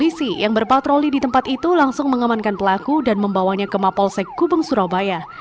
polisi yang berpatroli di tempat itu langsung mengamankan pelaku dan membawanya ke mapolsek gubeng surabaya